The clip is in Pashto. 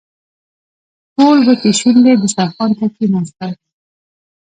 ټول وچې شونډې دسترخوان ته کښېناستل.